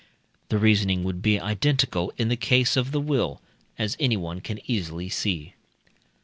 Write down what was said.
The reasoning would be identical in the case of the will, as anyone can easily see.